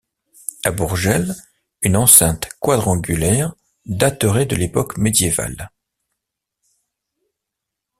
À Bourgell, une enceinte quadrangulaire daterait de l'époque médiévale.